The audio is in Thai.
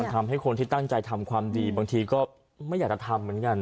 ทำให้คนที่ตั้งใจทำความดีบางทีก็ไม่อยากจะทำเหมือนกัน